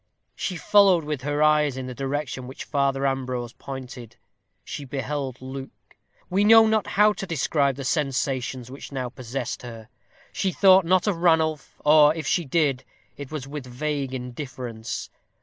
She followed with her eyes in the direction which Father Ambrose pointed. She beheld Luke. We know not how to describe the sensations which now possessed her. She thought not of Ranulph; or, if she did, it was with vague indifference.